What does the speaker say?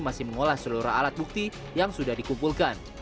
masih mengolah seluruh alat bukti yang sudah dikumpulkan